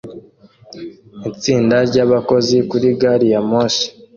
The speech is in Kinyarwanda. Itsinda ry'abakozi kuri gari ya moshi